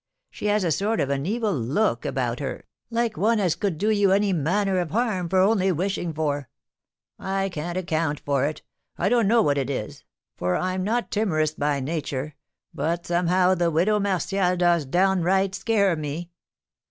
She has a sort of an evil look about her, like one as could do you any manner of harm for only wishing for; I can't account for it, I don't know what it is, for I am not timorous by nature, but somehow the widow Martial does downright scare me.